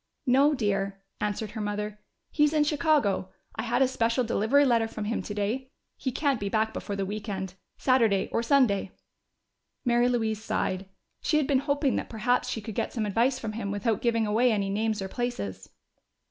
"No, dear," answered her mother. "He's in Chicago I had a special delivery letter from him today. He can't be back before the weekend Saturday or Sunday." Mary Louise sighed. She had been hoping that perhaps she could get some advice from him without giving away any names or places.